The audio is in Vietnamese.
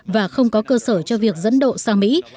và không có cơ sở cho việc dẫn độ sang mỹ